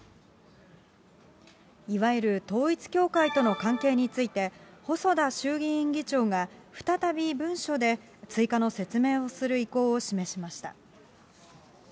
いわゆる統一教会との関係について、細田衆議院議長が再び文書で追加の説明をする意向を示しました。